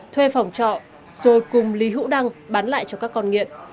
thuê phòng trọ rồi cùng lý hữu đăng bán lại cho các con nghiện